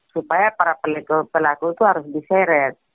supaya para pelaku itu harus diseret